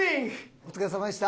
お疲れさまでした。